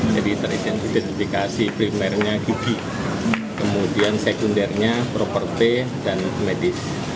jadi teridentifikasi primernya gigi kemudian sekundernya properti dan medis